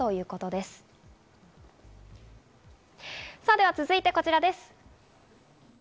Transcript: では続いてこちらです。